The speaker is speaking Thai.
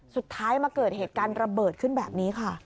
สุดท้ายมาเกิดเหตุการณ์ระเบิดขึ้นแบบนี้ค่ะ